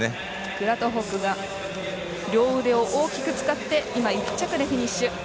グラトコフが両腕を大きく使って今１着でフィニッシュ。